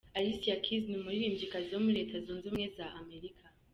Alicia Keys ni umuririmbyikazi wo muri Leta Zunze ubumwe za Amerika.